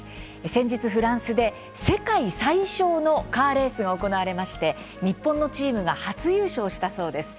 先日、フランスで世界最小のカーレースが行われまして日本のチームが初優勝したそうです。